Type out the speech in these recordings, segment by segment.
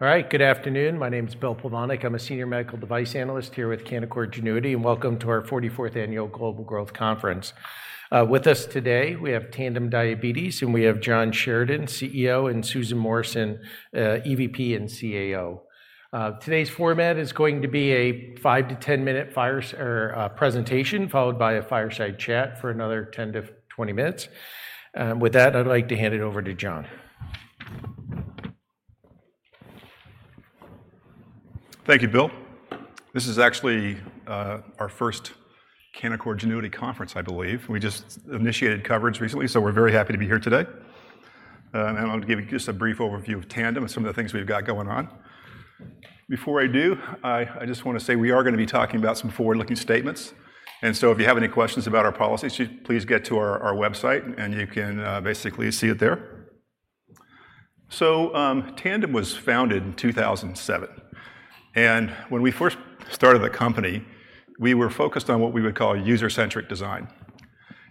All right, good afternoon. My name is Bill Plovanic. I'm a senior medical device analyst here with Canaccord Genuity, and welcome to our 44th Annual Global Growth Conference. With us today, we have Tandem Diabetes, and we have John Sheridan, CEO, and Susan Morrison, EVP and CAO. Today's format is going to be a five to 10 minute presentation, followed by a fireside chat for another 10- 20 minutes. With that, I'd like to hand it over to John. Thank you, Bill. This is actually, our first Canaccord Genuity conference, I believe. We just initiated coverage recently, so we're very happy to be here today. I want to give you just a brief overview of Tandem and some of the things we've got going on. Before I do, just want to say we are going to be talking about some forward-looking statements, and so if you have any questions about our policy, please get to our website, and you can basically see it there. Tandem was founded in 2007, and when we first started the company, we were focused on what we would call user-centric design.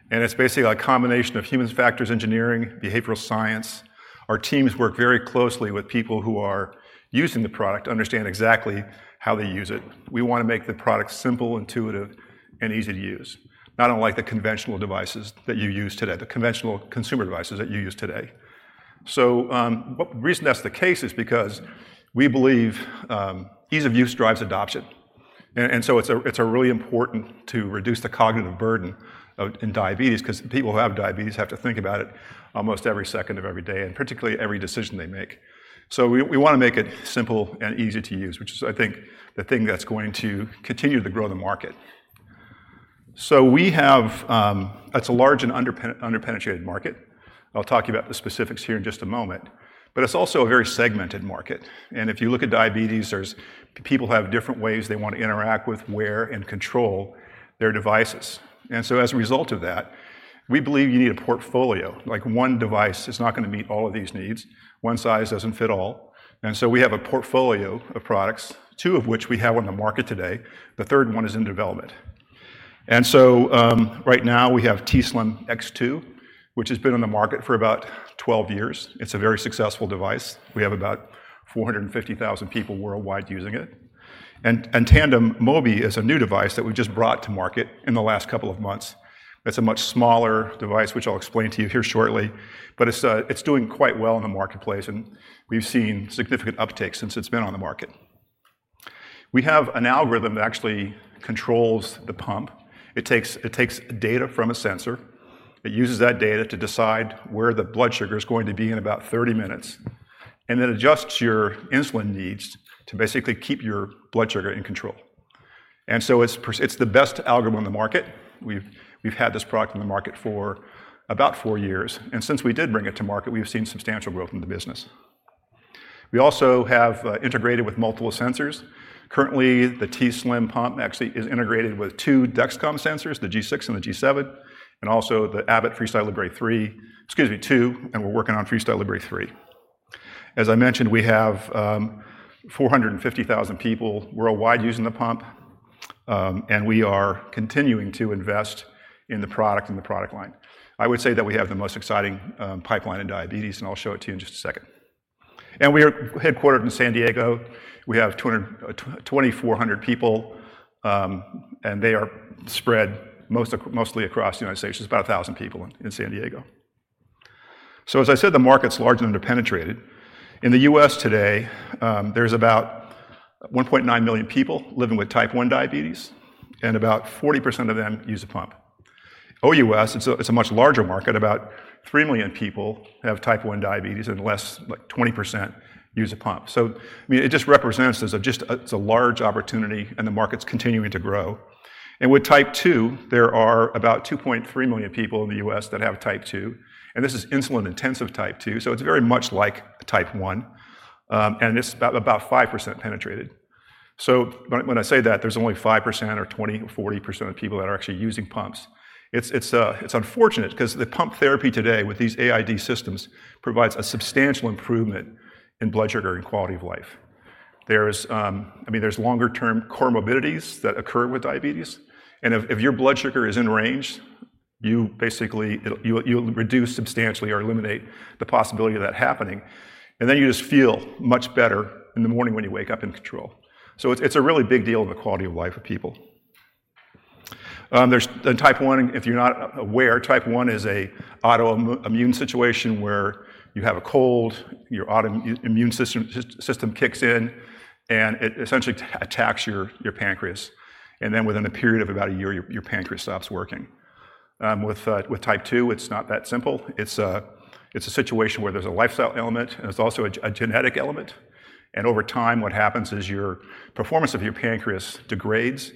It's basically a combination of human factors, engineering, behavioral science. Our teams work very closely with people who are using the product to understand exactly how they use it. We want to make the product simple, intuitive, and easy to use, not unlike the conventional devices that you use today, the conventional consumer devices that you use today. So, but the reason that's the case is because we believe ease of use drives adoption. And so it's really important to reduce the cognitive burden out in diabetes, 'cause people who have diabetes have to think about it almost every second of every day, and particularly every decision they make. So we want to make it simple and easy to use, which is, I think, the thing that's going to continue to grow the market. So it's a large and underpenetrated market. I'll talk to you about the specifics here in just a moment, but it's also a very segmented market. If you look at diabetes, there's people have different ways they want to interact with, wear, and control their devices. And so as a result of that, we believe you need a portfolio. Like one device is not going to meet all of these needs. One size doesn't fit all. And so we have a portfolio of products, two of which we have on the market today. The third one is in development. And so, right now we have t:slim X2, which has been on the market for about 12 years. It's a very successful device. We have about 450,000 people worldwide using it. And Tandem Mobi is a new device that we just brought to market in the last couple of months. It's a much smaller device, which I'll explain to you here shortly, but it's doing quite well in the marketplace, and we've seen significant uptake since it's been on the market. We have an algorithm that actually controls the pump. It takes data from a sensor, it uses that data to decide where the blood sugar is going to be in about 30 minutes, and it adjusts your insulin needs to basically keep your blood sugar in control. And so it's the best algorithm on the market. We've had this product on the market for about four years, and since we did bring it to market, we've seen substantial growth in the business. We also have integrated with multiple sensors. Currently, the t:slim pump actually is integrated with two Dexcom sensors, the G6 and the G7, and also the Abbott FreeStyle Libre 3, excuse me, 2, and we're working on FreeStyle Libre 3. As I mentioned, we have 450,000 people worldwide using the pump, and we are continuing to invest in the product and the product line. I would say that we have the most exciting pipeline in diabetes, and I'll show it to you in just a second. And we are headquartered in San Diego. We have 2,400 people, and they are spread mostly across the United States. There's about 1,000 people in San Diego. So as I said, the market's large and underpenetrated. In the U.S. today, there's about 1.9 million people living with Type 1 diabetes, and about 40% of them use a pump. OUS, it's a much larger market. About 3 million people have Type 1 diabetes and less, like 20% use a pump. So, I mean, it just represents a just a, it's a large opportunity and the market's continuing to grow. And with Type 2, there are about 2.3 million people in the U.S. that have Type 2, and this is insulin intensive Type 2, so it's very much like Type 1, and it's about, about 5% penetrated. So when I say that there's only 5% or 20%-40% of people that are actually using pumps, it's unfortunate because the pump therapy today, with these AID systems, provides a substantial improvement in blood sugar and quality of life. There's I mean, there's longer term comorbidities that occur with diabetes, and if your blood sugar is in range, you basically you'll reduce substantially or eliminate the possibility of that happening. And then you just feel much better in the morning when you wake up in control. So it's a really big deal in the quality of life for people. There's the Type 1, if you're not aware. Type 1 is an autoimmune situation where you have a cold, your autoimmune system, system kicks in, and it essentially attacks your pancreas, and then within a period of about 1 year, your pancreas stops working. With Type 2, it's not that simple. It's a situation where there's a lifestyle element, and there's also a genetic element. And over time, what happens is your performance of your pancreas degrades,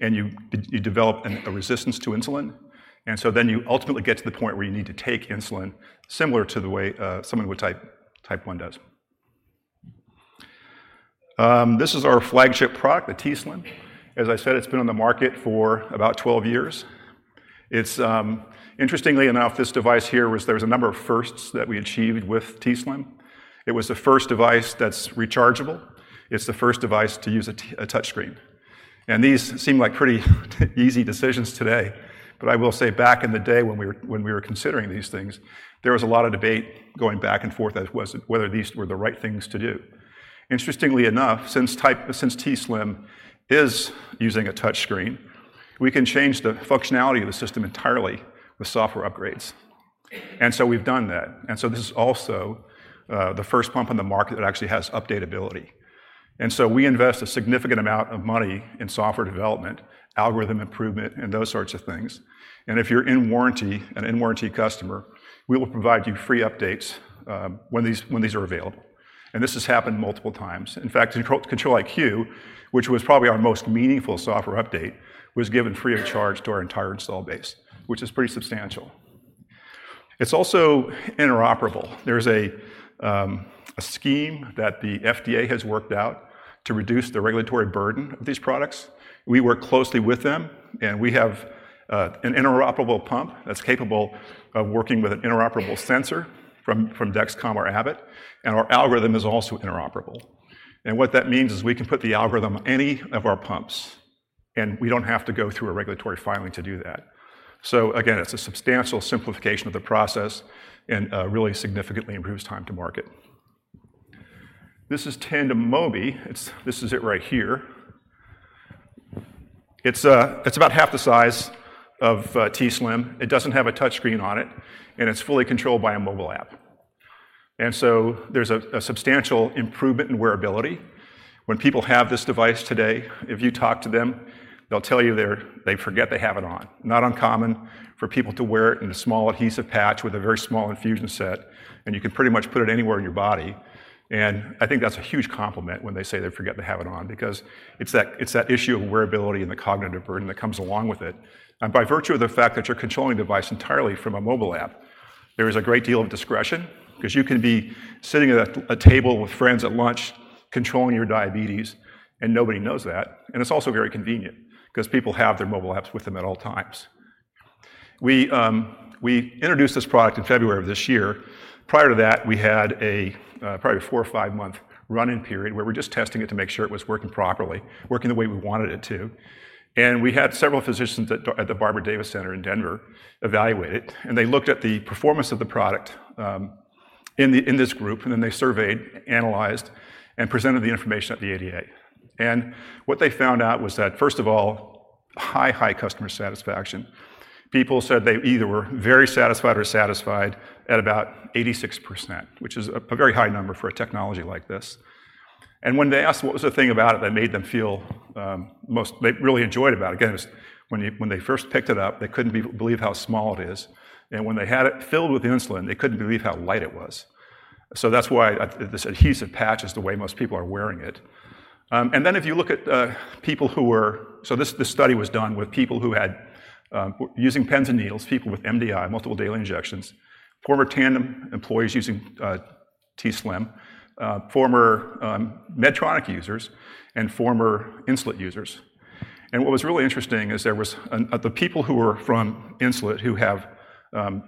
and you develop a resistance to insulin. And so then you ultimately get to the point where you need to take insulin, similar to the way someone with Type 1 does. This is our flagship product, the t:slim. As I said, it's been on the market for about 12 years. It's interestingly enough, this device here was a number of firsts that we achieved with t:slim. It was the first device that's rechargeable. It's the first device to use a touch screen. And these seem like pretty easy decisions today, but I will say back in the day when we were considering these things. There was a lot of debate going back and forth as whether these were the right things to do. Interestingly enough, since t:slim is using a touch screen, we can change the functionality of the system entirely with software upgrades. And so we've done that, and so this is also the first pump on the market that actually has update ability. And so we invest a significant amount of money in software development, algorithm improvement, and those sorts of things. If you're in warranty, an in-warranty customer, we will provide you free updates when these are available. This has happened multiple times. In fact, Control-IQ, which was probably our most meaningful software update, was given free of charge to our entire install base, which is pretty substantial. It's also interoperable. There's a scheme that the FDA has worked out to reduce the regulatory burden of these products. We work closely with them, and we have an interoperable pump that's capable of working with an interoperable sensor from Dexcom or Abbott, and our algorithm is also interoperable. What that means is we can put the algorithm on any of our pumps, and we don't have to go through a regulatory filing to do that. So again, it's a substantial simplification of the process and really significantly improves time to market. This is Tandem Mobi. It's this right here. It's about half the size of t:slim. It doesn't have a touch screen on it, and it's fully controlled by a mobile app. And so there's a substantial improvement in wearability. When people have this device today, if you talk to them, they'll tell you they forget they have it on. Not uncommon for people to wear it in a small adhesive patch with a very small infusion set, and you can pretty much put it anywhere in your body. And I think that's a huge compliment when they say they forget to have it on, because it's that issue of wearability and the cognitive burden that comes along with it. And by virtue of the fact that you're controlling the device entirely from a mobile app, there is a great deal of discretion, 'cause you can be sitting at a table with friends at lunch, controlling your diabetes, and nobody knows that. And it's also very convenient, 'cause people have their mobile apps with them at all times. We introduced this product in February of this year. Prior to that, we had probably a 4- or 5-month run-in period, where we're just testing it to make sure it was working properly, working the way we wanted it to. And we had several physicians at the Barbara Davis Center in Denver evaluate it, and they looked at the performance of the product in this group, and then they surveyed, analyzed, and presented the information at the ADA. What they found out was that, first of all, high customer satisfaction. People said they either were very satisfied or satisfied at about 86%, which is a very high number for a technology like this. And when they asked what was the thing about it that they really enjoyed about it, again, it was when they first picked it up, they couldn't believe how small it is. And when they had it filled with insulin, they couldn't believe how light it was. So that's why I think this adhesive patch is the way most people are wearing it. And then if you look at people who were. So this study was done with people who had using pens and needles, people with MDI, multiple daily injections, former Tandem employees using t:slim, former Medtronic users, and former Insulet users. What was really interesting is there was the people who were from Insulet, who have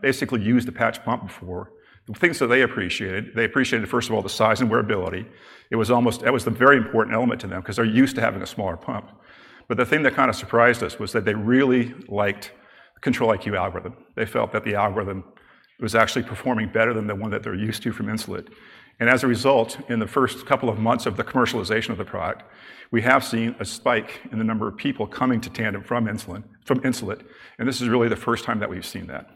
basically used the patch pump before, the things that they appreciated, they appreciated, first of all, the size and wearability. That was the very important element to them, 'cause they're used to having a smaller pump. But the thing that kind of surprised us was that they really liked Control-IQ algorithm. They felt that the algorithm was actually performing better than the one that they're used to from Insulet. As a result, in the first couple of months of the commercialization of the product, we have seen a spike in the number of people coming to Tandem from Insulet, and this is really the first time that we've seen that.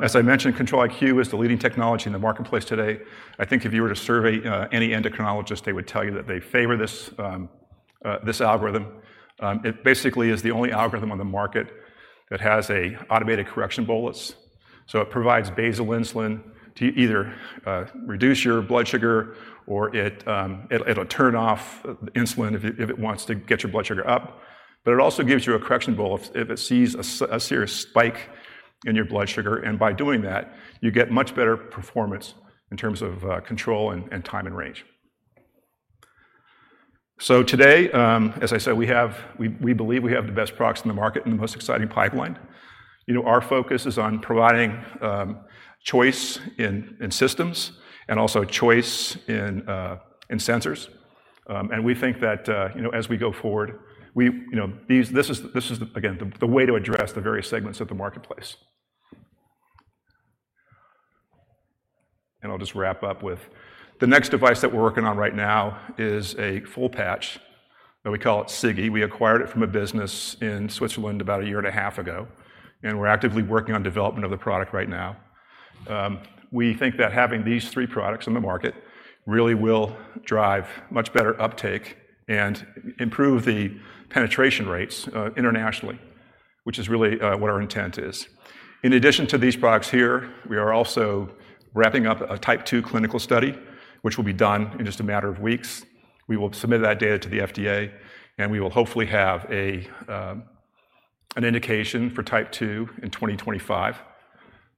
As I mentioned, Control-IQ is the leading technology in the marketplace today. I think if you were to survey any endocrinologist, they would tell you that they favor this algorithm. It basically is the only algorithm on the market that has an automated correction bolus. So it provides basal insulin to either reduce your blood sugar, or it'll turn off insulin if it wants to get your blood sugar up. But it also gives you a correction bolus if it sees a serious spike in your blood sugar. And by doing that, you get much better performance in terms of control and time and range. So today, as I said, we believe we have the best products in the market and the most exciting pipeline. You know, our focus is on providing choice in systems and also choice in sensors. And we think that you know as we go forward we you know this is again the way to address the various segments of the marketplace. And I'll just wrap up with the next device that we're working on right now is a full patch, and we call it Sigi. We acquired it from a business in Switzerland about a year and a half ago, and we're actively working on development of the product right now. We think that having these three products on the market really will drive much better uptake and improve the penetration rates internationally, which is really what our intent is. In addition to these products here, we are also wrapping up a Type 2 clinical study, which will be done in just a matter of weeks. We will submit that data to the FDA, and we will hopefully have an indication for Type 2 in 2025.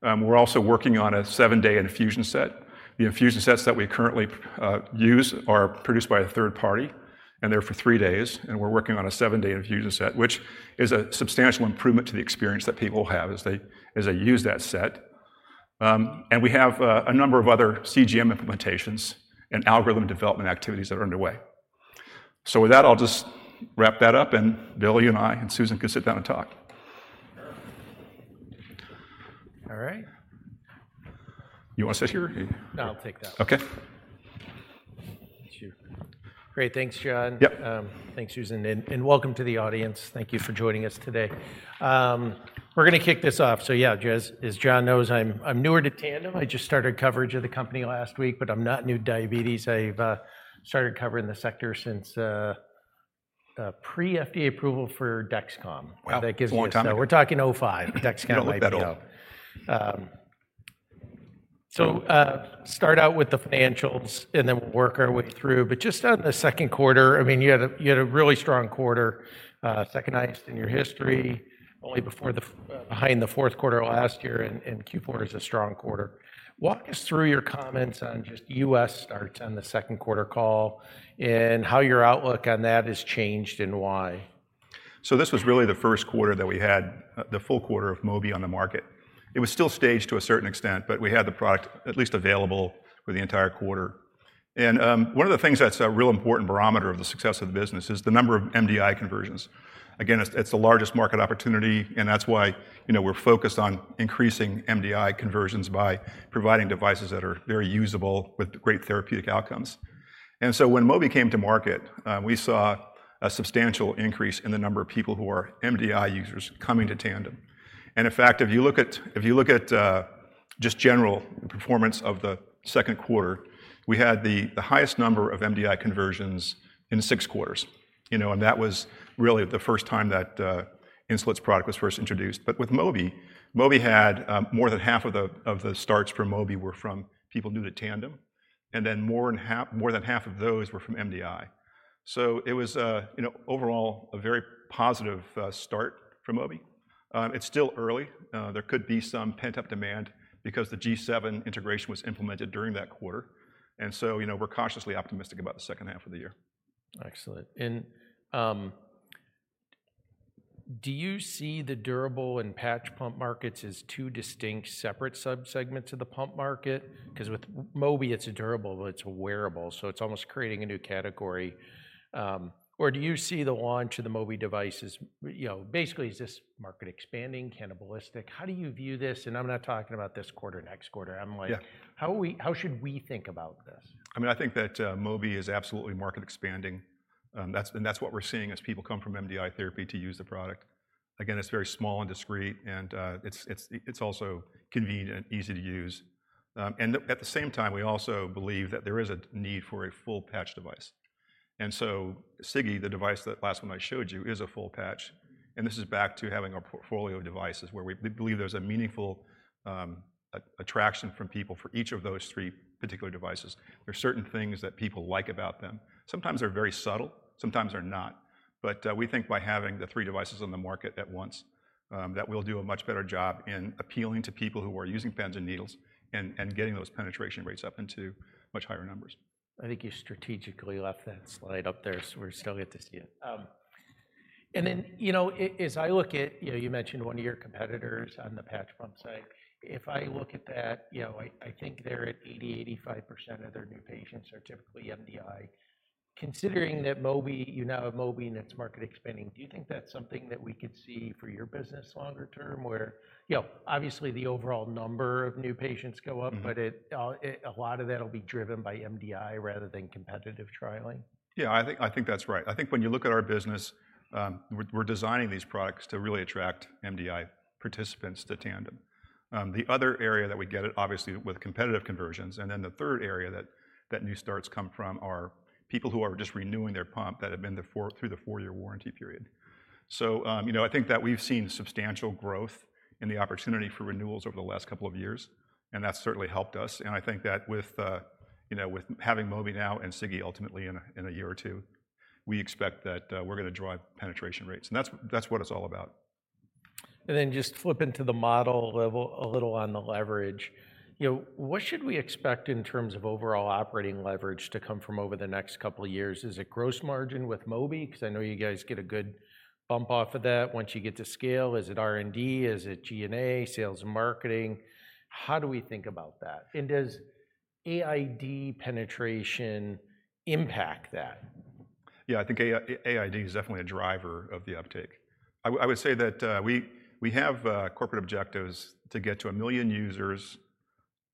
We're also working on a seven-day infusion set. The infusion sets that we currently use are produced by a third party, and they're for three days, and we're working on a seven-day infusion set, which is a substantial improvement to the experience that people have as they use that set. We have a number of other CGM implementations and algorithm development activities that are underway. So with that, I'll just wrap that up, and Bill, you and I, and Susan can sit down and talk. All right. You wanna sit here? No, I'll take that. Okay. Thank you. Great, thanks, John. Yep. Thanks, Susan, and welcome to the audience. Thank you for joining us today. We're gonna kick this off. So yeah, just as John knows, I'm newer to Tandem. I just started coverage of the company last week, but I'm not new to diabetes. I've started covering the sector since pre-FDA approval for Dexcom. Wow, a long time. That gives you. So we're talking 2005, DexCom IPO. You don't look that old. So, start out with the financials, and then we'll work our way through. But just out in the second quarter, I mean, you had a really strong quarter, second highest in your history, only behind the fourth quarter last year, and Q4 is a strong quarter. Walk us through your comments on just U.S. starts on the second quarter call, and how your outlook on that has changed and why. So this was really the first quarter that we had, the full quarter of Mobi on the market. It was still staged to a certain extent, but we had the product at least available for the entire quarter. And, one of the things that's a real important barometer of the success of the business is the number of MDI conversions. Again, it's, it's the largest market opportunity, and that's why, you know, we're focused on increasing MDI conversions by providing devices that are very usable with great therapeutic outcomes. And so when Mobi came to market, we saw a substantial increase in the number of people who are MDI users coming to Tandem. And in fact, if you look at just general performance of the second quarter, we had the highest number of MDI conversions in six quarters, you know, and that was really the first time that Insulet's product was first introduced. But with Mobi, Mobi had more than half of the starts from Mobi were from people new to Tandem, and then more than half of those were from MDI. So it was, you know, overall, a very positive start for Mobi. It's still early. There could be some pent-up demand because the G7 integration was implemented during that quarter. And so, you know, we're cautiously optimistic about the second half of the year. Excellent. Do you see the durable and patch pump markets as two distinct separate sub-segments of the pump market? 'Cause with Mobi, it's a durable, but it's a wearable, so it's almost creating a new category. Or do you see the launch of the Mobi device as, you know, basically, is this market expanding, cannibalistic? How do you view this? And I'm not talking about this quarter, next quarter. Yeah. I'm like, how should we think about this? I mean, I think that Mobi is absolutely market expanding. That's what we're seeing as people come from MDI therapy to use the product. Again, it's very small and discreet, and it's also convenient, easy to use. And at the same time, we also believe that there is a need for a full patch device. So, Sigi, the device that last time I showed you, is a full patch, and this is back to having our portfolio devices where we believe there's a meaningful attraction from people for each of those three particular devices. There are certain things that people like about them. Sometimes they're very subtle, sometimes they're not. But we think by having the three devices on the market at once, that we'll do a much better job in appealing to people who are using pens and needles, and getting those penetration rates up into much higher numbers. I think you strategically left that slide up there, so we still get to see it. And then, you know, as I look at... You know, you mentioned one of your competitors on the patch pump side. If I look at that, you know, I think they're at 80%-85% of their new patients are typically MDI. Considering that Mobi, you now have Mobi and its market expanding, do you think that's something that we could see for your business longer term, where, you know, obviously, the overall number of new patients go up. Mm-hmm... but it, a lot of that will be driven by MDI rather than competitive trialing? Yeah, I think, I think that's right. I think when you look at our business, we're designing these products to really attract MDI participants to Tandem. The other area that we get it, obviously, with competitive conversions, and then the third area that new starts come from are people who are just renewing their pump that have been through the four-year warranty period. So, you know, I think that we've seen substantial growth in the opportunity for renewals over the last couple of years, and that's certainly helped us. I think that with, you know, with having Mobi now and Sigi ultimately in a year or two, we expect that we're gonna drive penetration rates, and that's what it's all about. Then just flip into the model level a little on the leverage. You know, what should we expect in terms of overall operating leverage to come from over the next couple of years? Is it gross margin with Mobi? 'Cause I know you guys get a good bump off of that once you get to scale. Is it R&D? Is it G&A, sales and marketing? How do we think about that? And does AID penetration impact that? Yeah, I think AID is definitely a driver of the uptake. I would say that we have corporate objectives to get to 1 million users,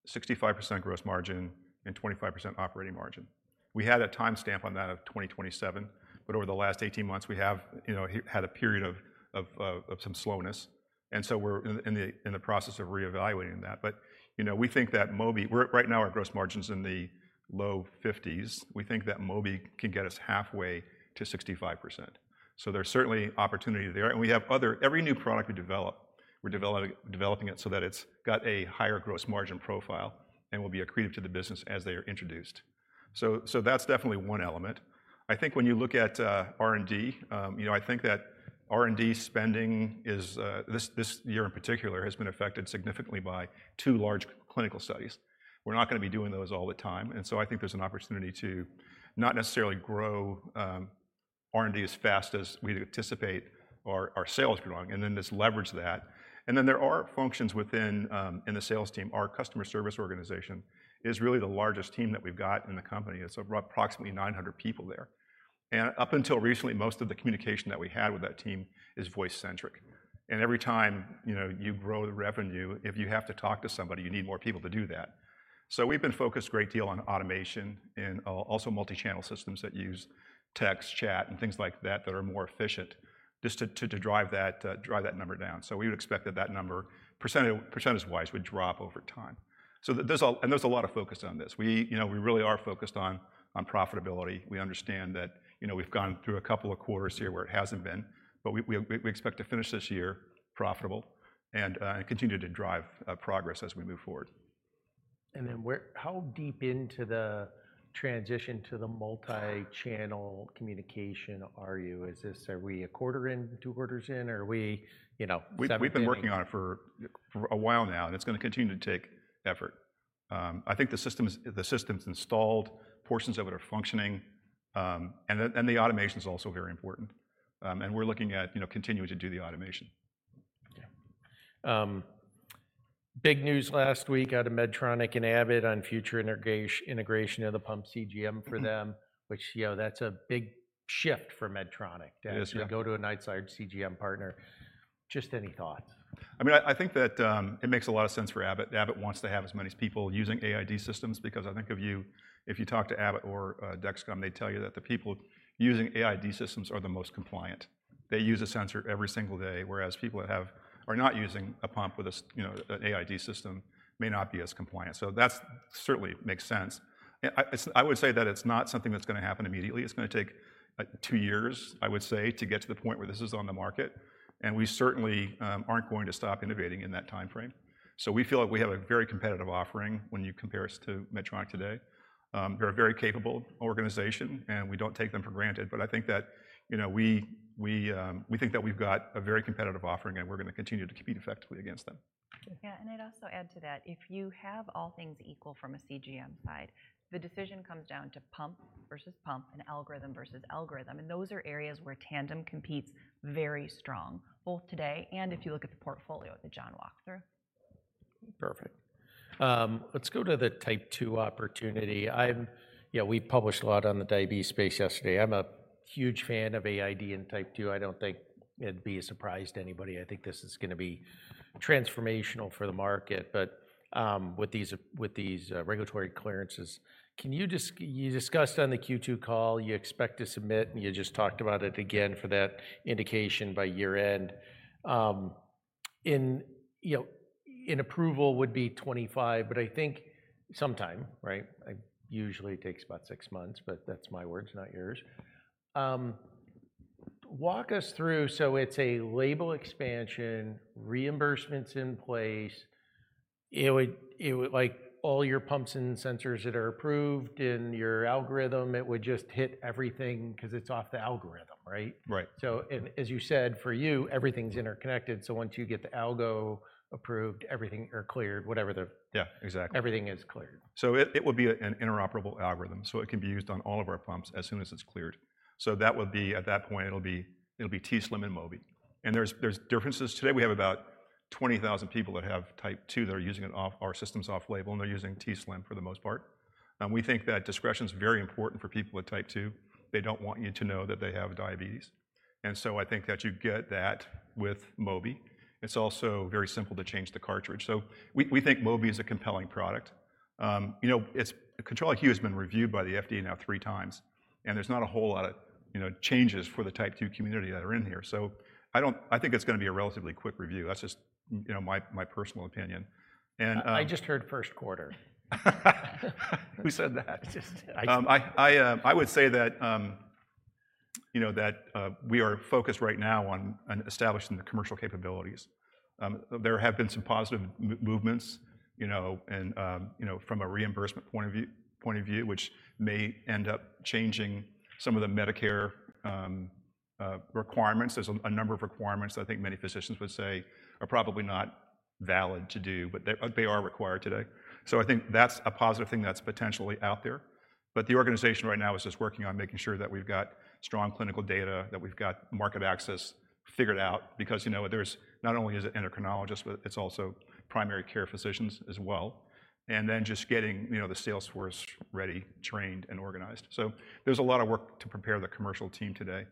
65% gross margin, and 25% operating margin. We had a time stamp on that of 2027, but over the last 18 months, we have, you know, had a period of some slowness, and so we're in the process of reevaluating that. But, you know, we think that Mobi. We're right now, our gross margin's in the low 50s. We think that Mobi can get us halfway to 65%. So there's certainly opportunity there, and we have other. Every new product we develop, we're developing it so that it's got a higher gross margin profile and will be accretive to the business as they are introduced. So that's definitely one element. I think when you look at R&D, you know, I think that R&D spending is this year, in particular, has been affected significantly by 2 large clinical studies. We're not gonna be doing those all the time, and so I think there's an opportunity to not necessarily grow R&D as fast as we'd anticipate our sales growing, and then just leverage that. And then there are functions within in the sales team. Our customer service organization is really the largest team that we've got in the company. It's about approximately 900 people there. And up until recently, most of the communication that we had with that team is voice-centric. And every time, you know, you grow the revenue, if you have to talk to somebody, you need more people to do that. So we've been focused a great deal on automation and also multi-channel systems that use text, chat, and things like that, that are more efficient, just to drive that number down. So we would expect that that number, percentage-wise, would drop over time. So there's a lot of focus on this. We, you know, we really are focused on profitability. We understand that, you know, we've gone through a couple of quarters here where it hasn't been, but we expect to finish this year profitable and continue to drive progress as we move forward. Then how deep into the transition to the multi-channel communication are you? Are we a quarter in, two quarters in, or are we, you know, is that what- We've been working on it for a while now, and it's going to continue to take effort. I think the system's installed, portions of it are functioning, and the automation's also very important. We're looking at, you know, continuing to do the automation. Yeah. Big news last week out of Medtronic and Abbott on future integration of the pump CGM for them. Mm-hmm. which, you know, that's a big shift for Medtronic. It is, yeah.... to go to a new CGM partner. Just any thoughts? I mean, I think that it makes a lot of sense for Abbott. Abbott wants to have as many people using AID systems, because I think if you talk to Abbott or Dexcom, they'd tell you that the people using AID systems are the most compliant. They use a sensor every single day, whereas people are not using a pump with a, you know, an AID system, may not be as compliant. So that's certainly makes sense. And it's, I would say that it's not something that's going to happen immediately. It's going to take two years, I would say, to get to the point where this is on the market, and we certainly aren't going to stop innovating in that timeframe. So we feel like we have a very competitive offering when you compare us to Medtronic today. They're a very capable organization, and we don't take them for granted, but I think that, you know, we think that we've got a very competitive offering, and we're going to continue to compete effectively against them. Yeah, and I'd also add to that, if you have all things equal from a CGM side, the decision comes down to pump versus pump and algorithm versus algorithm, and those are areas where Tandem competes very strong, both today and if you look at the portfolio that John walked through. Perfect. Let's go to the Type 2 opportunity. Yeah, we published a lot on the diabetes space yesterday. I'm a huge fan of AID in Type 2. I don't think it'd be a surprise to anybody. I think this is going to be transformational for the market, but with these regulatory clearances, can you just you discussed on the Q2 call, you expect to submit, and you just talked about it again for that indication by year-end. In, you know, an approval would be 2025, but I think sometime, right? It usually takes about six months, but that's my words, not yours. Walk us through, so it's a label expansion, reimbursement's in place. It would like all your pumps and sensors that are approved in your algorithm, it would just hit everything because it's off the algorithm, right? Right. So and as you said, for you, everything's interconnected, so once you get the algo approved, everything, or cleared, whatever the- Yeah, exactly. Everything is cleared. So it would be an interoperable algorithm, so it can be used on all of our pumps as soon as it's cleared. So that would be, at that point, it'll be t:slim and Mobi. And there's differences. Today, we have about 20,000 people that have Type 2 that are using it off-label on our systems off-label, and they're using t:slim for the most part. And we think that discretion is very important for people with Type 2. They don't want you to know that they have diabetes. And so I think that you get that with Mobi. It's also very simple to change the cartridge. So we think Mobi is a compelling product. You know, its Control-IQ has been reviewed by the FDA now three times, and there's not a whole lot of, you know, changes for the Type 2 community that are in here. So I don't-- I think it's going to be a relatively quick review. That's just, you know, my, my personal opinion. And, I just heard first quarter. Who said that? Just- I would say that, you know, that we are focused right now on establishing the commercial capabilities. There have been some positive movements, you know, and, you know, from a reimbursement point of view, which may end up changing some of the Medicare requirements. There's a number of requirements I think many physicians would say are probably not valid to do, but they are required today. So I think that's a positive thing that's potentially out there. But the organization right now is just working on making sure that we've got strong clinical data, that we've got market access figured out, because, you know, there's not only is it endocrinologists, but it's also primary care physicians as well. And then just getting, you know, the sales force ready, trained, and organized. So there's a lot of work to prepare the commercial team today.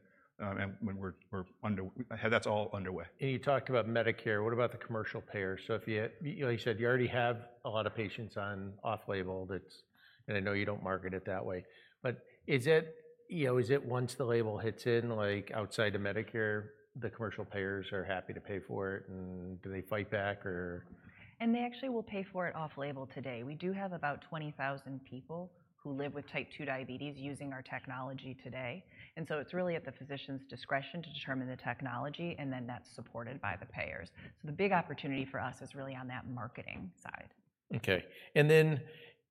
That's all underway. And you talked about Medicare. What about the commercial payers? So if you, you know, you said you already have a lot of patients on off-label that's-- And I know you don't market it that way, but is it, you know, is it once the label hits in, like outside of Medicare, the commercial payers are happy to pay for it, and do they fight back or? They actually will pay for it off-label today. We do have about 20,000 people who live with Type 2 Diabetes using our technology today, and so it's really at the physician's discretion to determine the technology, and then that's supported by the payers. So the big opportunity for us is really on that marketing side. Okay. And then,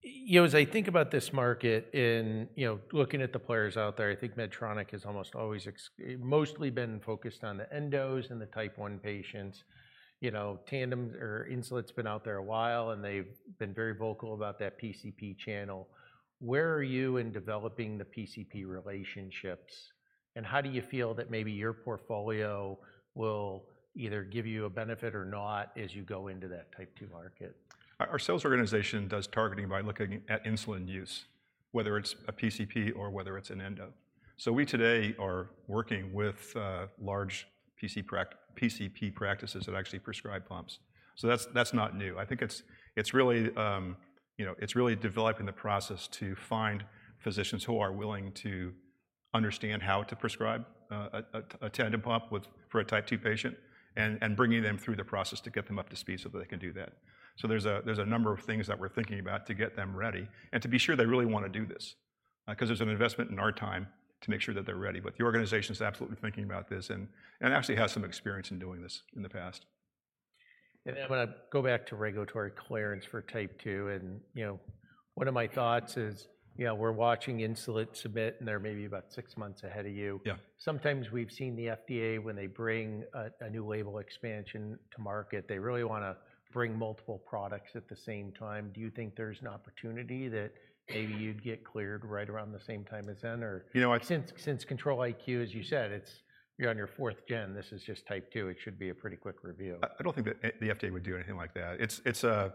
you know, as I think about this market and, you know, looking at the players out there, I think Medtronic has almost always exclusively mostly been focused on the endos and the Type 1 patients. You know, Tandem and Insulet's been out there a while, and they've been very vocal about that PCP channel. Where are you in developing the PCP relationships? And how do you feel that maybe your portfolio will either give you a benefit or not as you go into that Type 2 market? Our sales organization does targeting by looking at insulin use, whether it's a PCP or whether it's an endo. So we today are working with large PCP practices that actually prescribe pumps. So that's not new. I think it's really, you know, it's really developing the process to find physicians who are willing to understand how to prescribe a Tandem pump for a Type 2 patient, and bringing them through the process to get them up to speed so that they can do that. So there's a number of things that we're thinking about to get them ready, and to be sure they really want to do this. 'Cause there's an investment in our time to make sure that they're ready. But the organization's absolutely thinking about this and actually has some experience in doing this in the past. I'm gonna go back to regulatory clearance for Type 2 and, you know, one of my thoughts is, you know, we're watching Insulet submit, and they're maybe about six months ahead of you. Yeah. Sometimes we've seen the FDA, when they bring a new label expansion to market, they really wanna bring multiple products at the same time. Do you think there's an opportunity that maybe you'd get cleared right around the same time as them or? You know, Since Control-IQ, as you said, you're on your fourth gen, this is just Type 2, it should be a pretty quick review. I don't think that the FDA would do anything like that.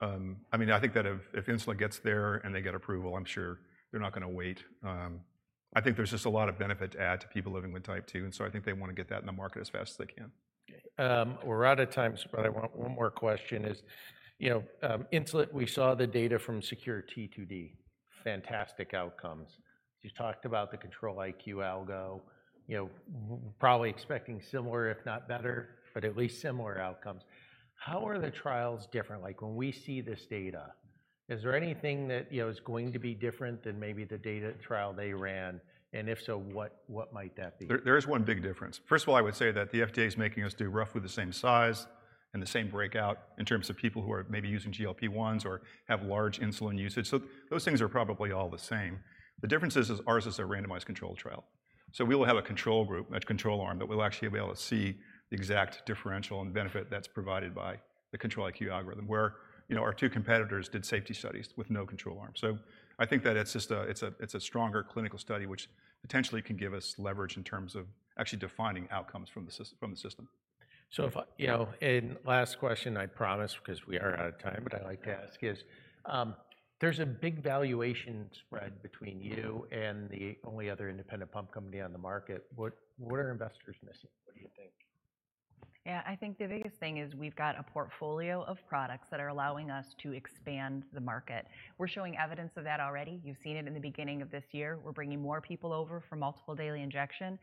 I mean, I think that if Insulet gets there and they get approval, I'm sure they're not gonna wait. I think there's just a lot of benefit to add to people living with Type 2, and so I think they want to get that in the market as fast as they can. We're out of time, but I want one more question is, you know, Insulet, we saw the data from SECURE-T2D. Fantastic outcomes. You talked about the Control-IQ algo, you know, probably expecting similar, if not better, but at least similar outcomes. How are the trials different? Like, when we see this data, is there anything that, you know, is going to be different than maybe the data trial they ran? And if so, what, what might that be? There is one big difference. First of all, I would say that the FDA is making us do roughly the same size and the same breakout in terms of people who are maybe using GLP-1s or have large insulin usage. So those things are probably all the same. The difference is ours is a randomized control trial. So we will have a control group, a control arm, that we'll actually be able to see the exact differential and benefit that's provided by the Control-IQ algorithm, where, you know, our two competitors did safety studies with no control arm. So I think that it's just a stronger clinical study, which potentially can give us leverage in terms of actually defining outcomes from the system. So, if I, you know, and last question, I promise, because we are out of time, but I'd like to ask is: there's a big valuation spread between you and the only other independent pump company on the market. What, what are investors missing? What do you think? Yeah, I think the biggest thing is we've got a portfolio of products that are allowing us to expand the market. We're showing evidence of that already. You've seen it in the beginning of this year. We're bringing more people over from multiple daily injections.